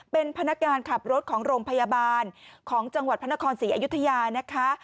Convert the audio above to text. เป็นพนักงานขับรถของโรงพยาบาลของจังหวัดพระนครศรีอยุธยานะคะ